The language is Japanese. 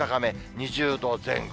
２０度前後。